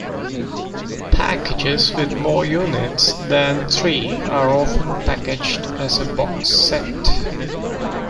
Packages with more units than three are often packaged as a box set.